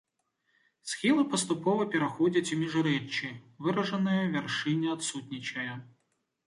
Схілы паступова пераходзяць у міжрэччы, выражаная вяршыня адсутнічае.